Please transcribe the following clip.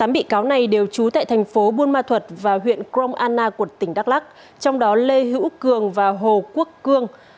tám bị cáo này đều trú tại thành phố buôn ma thuật và huyện krong anna của tỉnh đắk lắc trong đó lê hữu cường và hồ quốc cương